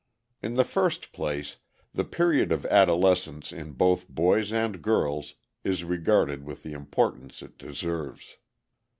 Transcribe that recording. In the first place, the period of adolescence in both boys and girls is regarded with the importance it deserves.